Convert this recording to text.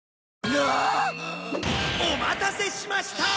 おまたせしました！！